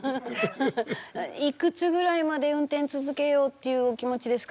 いくつぐらいまで運転続けようっていうお気持ちですか？